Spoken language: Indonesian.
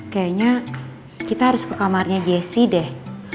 kayaknya kita harus ke kamarnya jessie deh